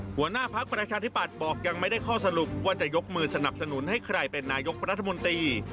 หัวหน้าพักประชาธิปัตย์บอกยังไม่ได้ข้อสรุปว่าจะยกมือสนับสนุนให้ใครเป็นนายกรัฐมนตรี